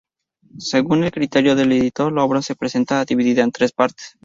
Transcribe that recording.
Según el criterio del editor, la obra se presenta dividida en tres partes.